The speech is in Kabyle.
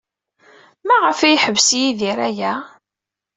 Maɣef ay yeḥbes Yidir aya?